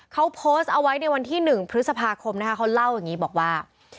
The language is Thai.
เขาโพสต์เอาไว้ในวันที่๑พฤษภาคมนะคะเขาเล่าอย่างนี้บอกว่า